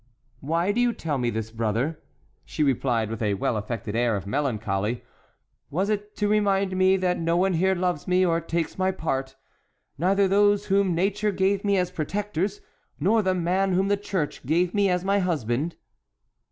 "Why do you tell me this, brother?" she replied, with a well affected air of melancholy; "was it to remind me that no one here loves me or takes my part, neither those whom nature gave me as protectors nor the man whom the Church gave me as my husband?"